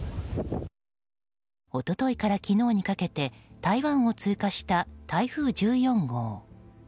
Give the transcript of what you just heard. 一昨日から昨日にかけて台湾を通過した台風１４号。